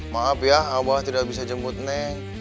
maaf ya awalnya tidak bisa jemput neng